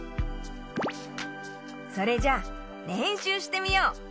それじゃれんしゅうしてみよう。